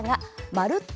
「まるっと！